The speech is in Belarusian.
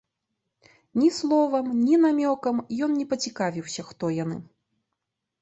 Ні словам, ні намёкам ён не пацікавіўся, хто яны.